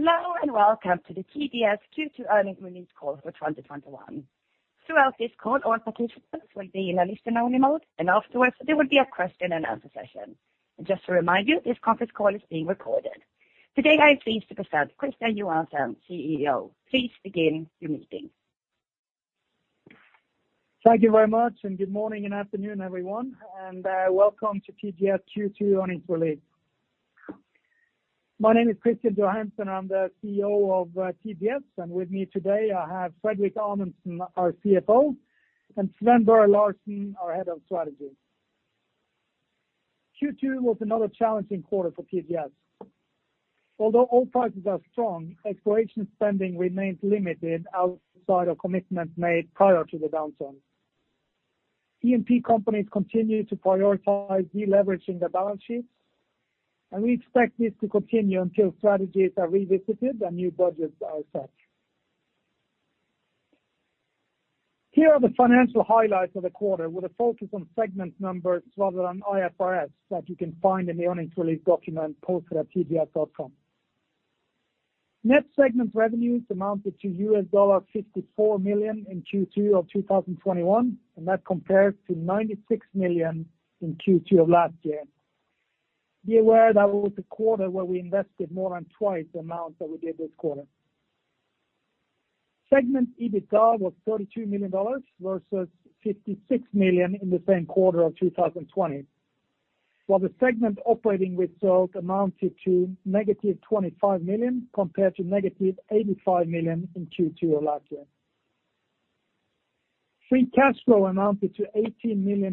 Hello, and welcome to the TGS Q2 Earnings Release Call for 2021. Throughout this call, all participants will be in a listen-only mode, and afterwards there will be a question and answer session. Just to remind you, this conference call is being recorded. Today I am pleased to present Kristian Johansen, CEO. Please begin your meeting. Thank you very much. Good morning and afternoon, everyone, and welcome to TGS Q2 Earnings Release. My name is Kristian Johansen, I'm the CEO of TGS, and with me today I have Fredrik Amundsen, our CFO, and Sven Børre Larsen, our head of strategy. Q2 was another challenging quarter for TGS. Although oil prices are strong, exploration spending remains limited outside of commitments made prior to the downturn. E&P companies continue to prioritize de-leveraging their balance sheets, and we expect this to continue until strategies are revisited and new budgets are set. Here are the financial highlights of the quarter with a focus on segment numbers rather than IFRS that you can find in the earnings release document posted at tgs.com. Net segment revenues amounted to $54 million in Q2 of 2021, and that compares to $96 million in Q2 of last year. Be aware that was the quarter where we invested more than twice the amount that we did this quarter. Segment EBITDA was $32 million versus $56 million in the same quarter of 2020. While the segment operating result amounted to negative $25 million compared to negative $85 million in Q2 of last year. Free cash flow amounted to $18 million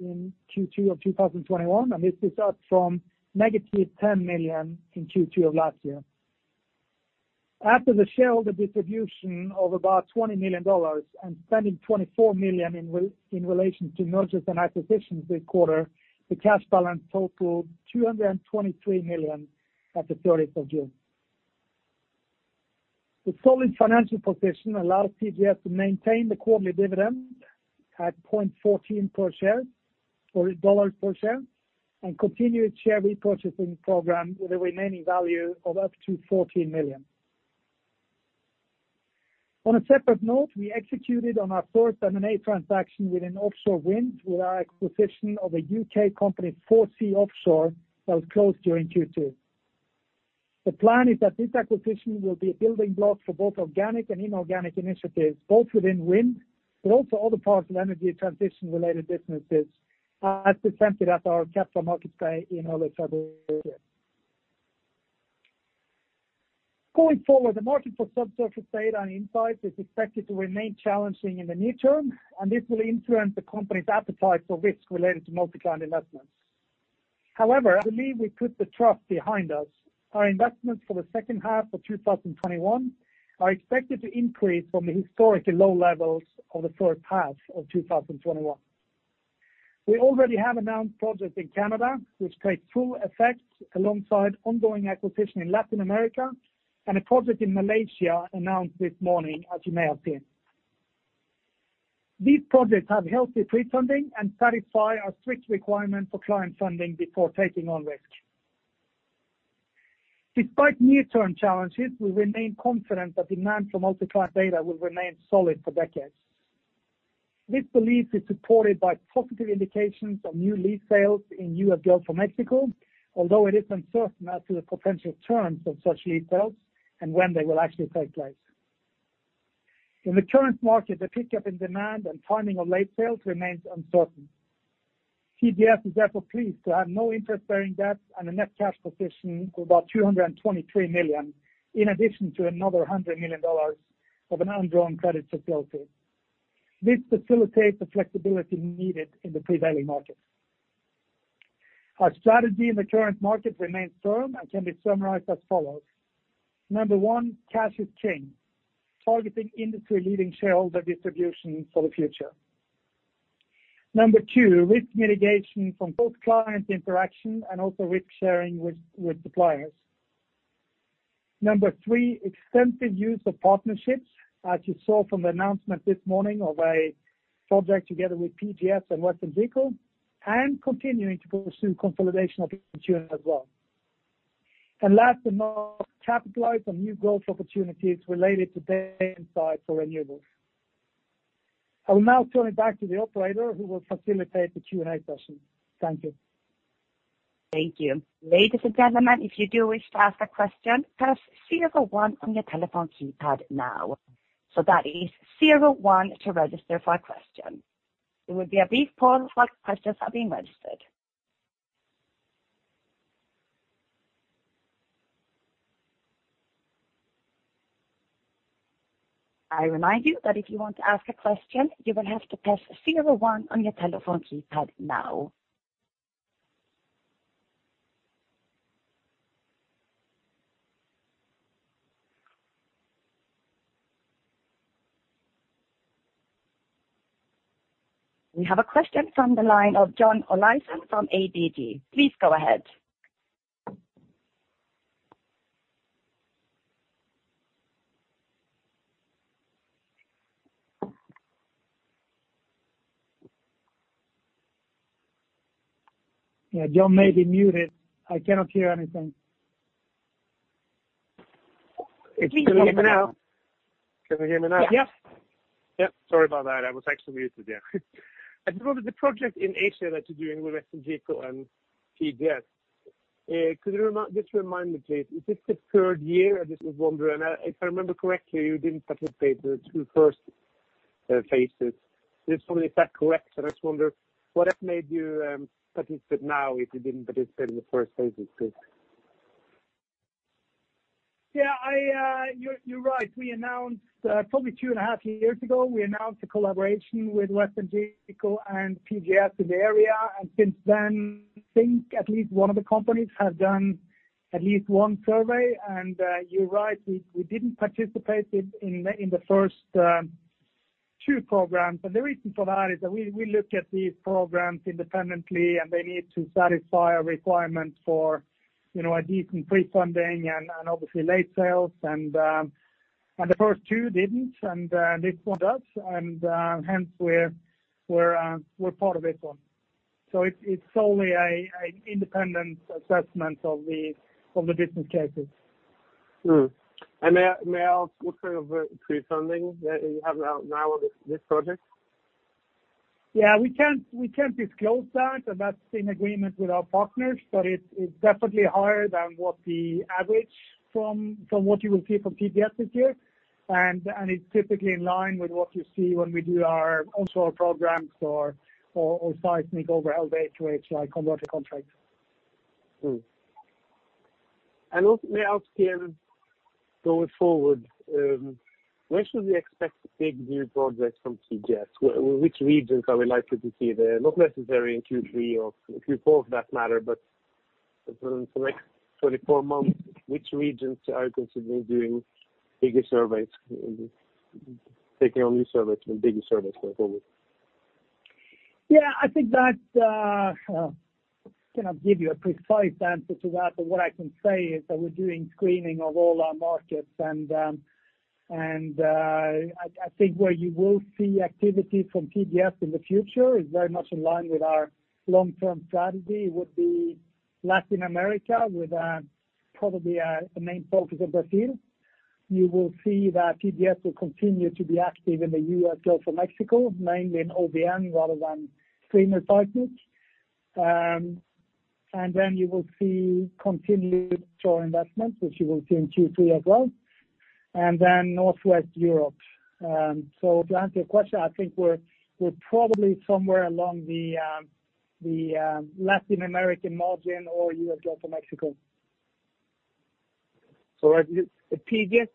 in Q2 of 2021, and this is up from negative $10 million in Q2 of last year. After the shareholder distribution of about $20 million and spending $24 million in relation to mergers and acquisitions this quarter, the cash balance totaled $223 million at the 30th of June. The solid financial position allows TGS to maintain the quarterly dividend at $0.14 per share, or dollars per share, and continue its share repurchasing program with a remaining value of up to $14 million. On a separate note, we executed on our fourth M&A transaction with an offshore wind with our acquisition of a U.K. company, 4C Offshore, that was closed during Q2. The plan is that this acquisition will be a building block for both organic and inorganic initiatives, both within wind, but also other parts of energy transition-related businesses, as presented at our capital markets day in early February. Going forward, the market for subsurface data and insights is expected to remain challenging in the near term, and this will influence the company's appetite for risk related to multi-client investments. However, I believe we put the trough behind us. Our investments for the second half of 2021 are expected to increase from the historically low levels of the first half of 2021. We already have announced projects in Canada, which take full effect alongside ongoing acquisition in Latin America and a project in Malaysia announced this morning, as you may have seen. These projects have healthy pre-funding and satisfy our strict requirement for client funding before taking on risk. Despite near-term challenges, we remain confident that demand for multi-client data will remain solid for decades. This belief is supported by positive indications on new lead sales in Gulf of Mexico, although it is uncertain as to the potential terms of such lead sales and when they will actually take place. In the current market, the pickup in demand and timing of late sales remains uncertain. TGS is therefore pleased to have no interest-bearing debt and a net cash position of about $223 million, in addition to another $100 million of an undrawn credit facility. This facilitates the flexibility needed in the prevailing market. Our strategy in the current market remains firm and can be summarized as follows. Number one, cash is king. Targeting industry-leading shareholder distribution for the future. Number two, risk mitigation from both client interaction and also risk-sharing with suppliers. Number three, extensive use of partnerships, as you saw from the announcement this morning of a project together with PGS and WesternGeco, and continuing to pursue consolidation opportunities as well. Last but not least, capitalize on new growth opportunities related to data insights for renewables. I will now turn it back to the operator, who will facilitate the Q&A session. Thank you. Thank you. Ladies and gentlemen, if you do wish to ask a question, press zero one on your telephone keypad now. That is one one to register for a question. There will be a brief pause while questions are being registered. I remind you that if you want to ask a question, you will have to press zero one on your telephone keypad now. We have a question from the line of John Olaisen from ABG. Please go ahead. John may be muted. I cannot hear anything. Can you hear me now? Yes. Yep. Sorry about that. I was actually muted. I just wanted the project in Asia that you're doing with WesternGeco and PGS. Could you just remind me, please, is this the third year? I just was wondering. If I remember correctly, you didn't participate the two first phases. Just wondering if that correct, and I just wonder what has made you participate now if you didn't participate in the first phases please? Yeah, you're right. Probably two and a half years ago, we announced a collaboration with WesternGeco and PGS in the area. Since then, I think at least one of the companies have done at least one survey. You're right, we didn't participate in the first two programs. The reason for that is that we look at these programs independently, and they need to satisfy a requirement for a decent pre-funding and obviously late sales and the first two didn't, and this one does. Hence we're part of it one. So it's solely a independent assessment of the business cases. May I ask what kind of pre-funding that you have now on this project? Yeah, we can't disclose that, and that's in agreement with our partners, but it's definitely higher than what the average from what you will see from PGS this year. It's typically in line with what you see when we do our onshore programs or seismic over HHI converter contracts. Also may I ask you, going forward, when should we expect big new projects from TGS? Which regions are we likely to see there? Not necessarily in Q3 or Q4 for that matter, but for the next 24 months, which regions are you considering doing bigger surveys, taking on new surveys and bigger surveys going forward? I think that I cannot give you a precise answer to that. What I can say is that we're doing screening of all our markets, and I think where you will see activity from TGS in the future is very much in line with our long-term strategy, would be Latin America with probably a main focus of Brazil. You will see that TGS will continue to be active in the US Gulf of Mexico, mainly in OBN rather than streamer seismic. You will see continued shore investments, which you will see in Q3 as well, Northwest Europe. To answer your question, I think we're probably somewhere along the Latin American margin or US Gulf of Mexico. The TGS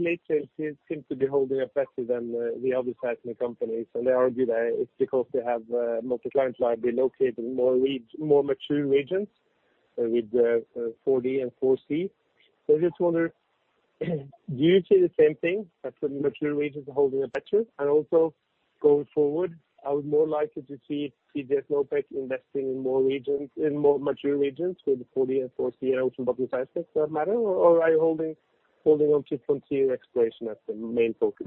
late sales seems to be holding up better than the other seismic companies, and they argue that it's because they have a multi-client library located in more mature regions with 4D and 4C. I just wonder, do you see the same thing, that the mature regions are holding up better? Also, going forward, are we more likely to see TGS non-exclusive investing in more mature regions with 4D and 4C and ocean bottom seismic for that matter, or are you holding on to frontier exploration as the main focus?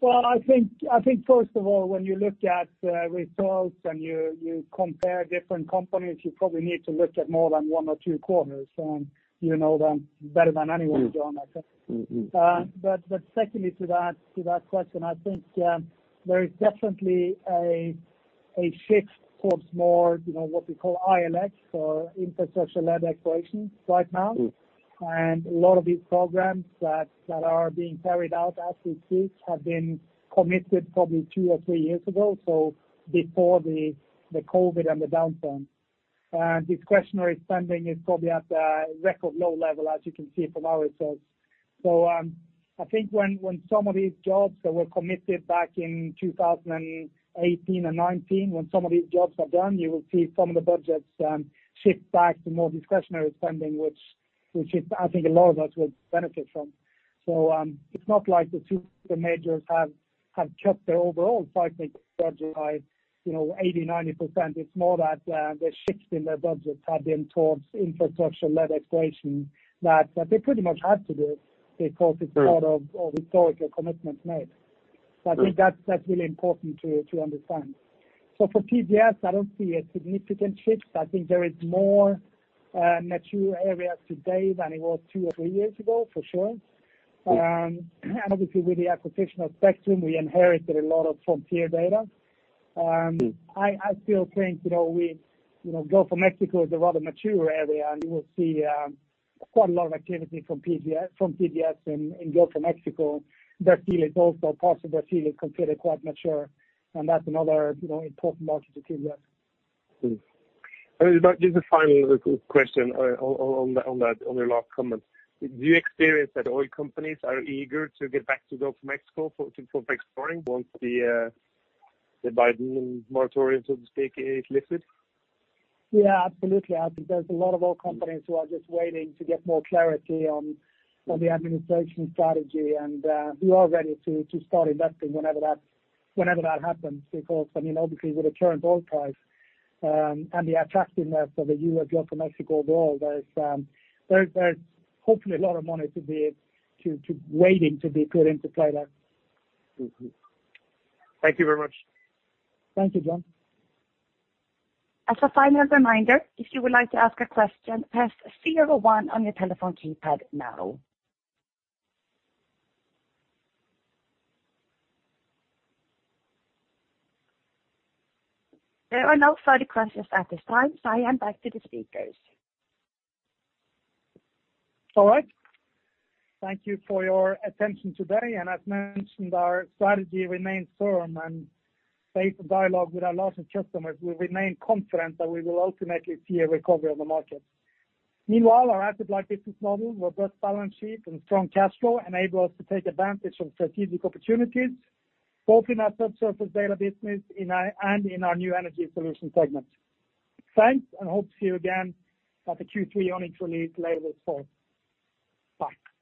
Well, I think first of all, when you look at results and you compare different companies, you probably need to look at more than one or two corners. You know them better than anyone, John, I think. Secondly to that question, I think there is definitely a shift towards more what we call ILX or infrastructure-led exploration right now. A lot of these programs that are being carried out as we speak have been committed probably two or three years ago, so before the COVID and the downturn. Discretionary spending is probably at a record low level, as you can see from our results. I think when some of these jobs that were committed back in 2018 and 2019, when some of these jobs are done, you will see some of the budgets shift back to more discretionary spending, which is I think a lot of us would benefit from. It's not like the majors have cut their overall seismic budget by 80%-90%. It's more that the shifts in their budgets have been towards infrastructure-led exploration that they pretty much had to do because it's part of historical commitments made. I think that's really important to understand. For PGS, I don't see a significant shift. I think there is more mature areas today than it was two or three years ago, for sure. Obviously with the acquisition of Spectrum, we inherited a lot of frontier data. I still think Gulf of Mexico is a rather mature area. You will see quite a lot of activity from TGS in Gulf of Mexico. That deal is also possible. That deal is considered quite mature. That's another important market to TGS. Just a final quick question on your last comment. Do you experience that oil companies are eager to get back to the Gulf of Mexico for exploring once the Biden moratorium, so to speak, is lifted? Yeah, absolutely. I think there's a lot of oil companies who are just waiting to get more clarity on the administration strategy. We are ready to start investing whenever that happens because, obviously with the current oil price, and the attractiveness of the U.S. Gulf of Mexico oil, there's hopefully a lot of money waiting to be put into play there. Thank you very much. Thank you, John. As a final reminder, if you would like to ask a question, press zero one on your telephone keypad now. There are no further questions at this time. I hand back to the speakers. All right. Thank you for your attention today. As mentioned, our strategy remains firm and based on dialogue with our largest customers, we remain confident that we will ultimately see a recovery of the market. Meanwhile, our asset-light business model, robust balance sheet, and strong cash flow enable us to take advantage of strategic opportunities both in our subsurface data business and in our New Energy Solutions segment. Thanks. Hope to see you again at the Q3 earnings release later this fall. Bye.